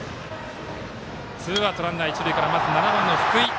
ツーアウト、ランナー、一塁からまず７番の福井。